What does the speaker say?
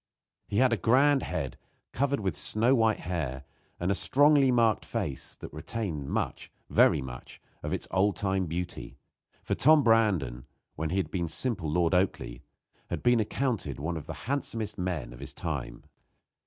He had a grand head, covered with snow white hair, and a strongly marked face that retained much very much of its old time beauty, for Tom Brandon, when he had been simple Lord Oakleigh, had been accounted one of the handsomest men of his time.